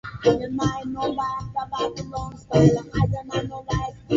Katika nyakati tofauti zilitengana na Wagisu